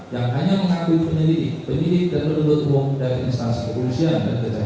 yang hanya mengakui penyelidik penyelidik dan penuntut umum dari instansi kepolisian dan kejaksaan